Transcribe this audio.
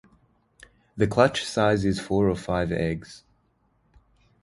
The clutch size is four or five eggs.